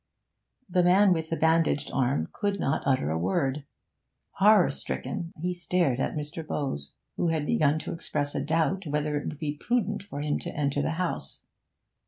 The man with the bandaged arm could not utter a word. Horror stricken he stared at Mr. Bowes, who had begun to express a doubt whether it would be prudent for him to enter the house.